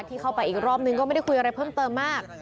เข้าไปอีกรอบนึงก็ไม่ได้คุยอะไรเพิ่มเติมมาก